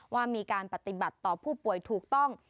ว่ามีการปฏิบัติต่อผู้ป่วยถูกต้อง